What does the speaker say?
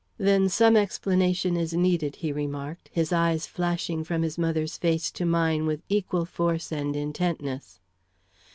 "Then some explanation is needed," he remarked, his eyes flashing from his mother's face to mine with equal force and intentness.